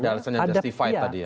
ada alasan yang justified tadi ya